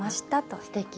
すてき。